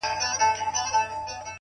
هغه چي ماته يې په سرو وینو غزل ليکله’